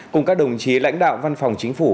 cùng các đồng chí lãnh đạo văn phòng chính phủ